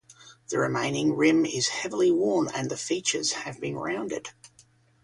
The remaining rim is heavily worn and the features have been rounded.